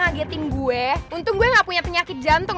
ngagetin gue untung gue gak punya penyakit jantung